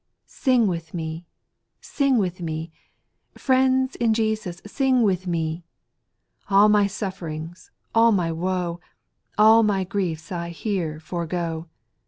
Sing with me I sing with me I Friends in Jesus, sing with me I All my suflferings, all my woe, All my griefs T here forego.